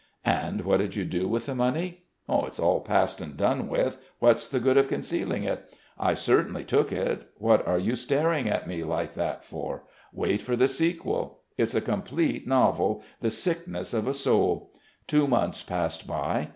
"And what did you do with the money?" "It's all past and done with. What's the good of concealing it?... I certainly took it. What are you staring at me like that for? Wait for the sequel. It's a complete novel, the sickness of a soul! Two months passed by.